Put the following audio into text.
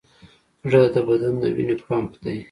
زړه د بدن د وینې پمپ دی.